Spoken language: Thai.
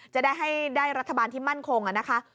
จะได้รัฐบาลที่มั่นคงอะนะคะ